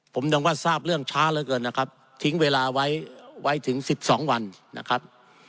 ผมยังว่าทราบเรื่องช้าเหลือเกินนะครับทิ้งเวลาไว้ถึง๑๒วันนะครับ